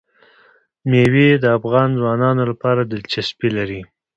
مېوې د افغان ځوانانو لپاره دلچسپي لري.